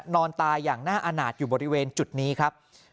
นอนตายอย่างน่าอาณาจอยู่บริเวณจุดนี้ครับ